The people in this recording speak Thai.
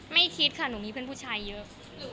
ไม่คิดค่ะหนูมีเพื่อนผู้ชายเยอะ